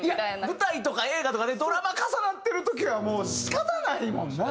舞台とか映画とかねドラマ重なってる時はもう仕方ないもんな。